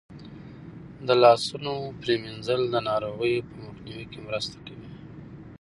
د لاسونو پریمنځل د ناروغیو په مخنیوي کې مرسته کوي.